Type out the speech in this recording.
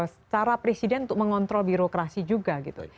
secara presiden untuk mengontrol birokrasi juga gitu